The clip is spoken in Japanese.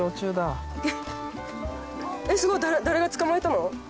すごい誰が捕まえたの？